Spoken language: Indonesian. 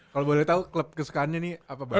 kalau boleh tau klub kesukaannya nih apa